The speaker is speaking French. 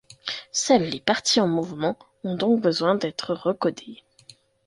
Seules les parties en mouvement ont donc besoin d'être recodées.